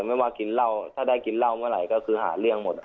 ไม่ว่ากินเหล้าถ้าได้กินเหล้าเมื่อไหร่ก็คือหาเรื่องหมด